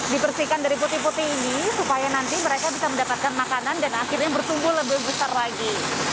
dibersihkan dari putih putih ini supaya nanti mereka bisa mendapatkan makanan dan akhirnya bertumbuh lebih besar lagi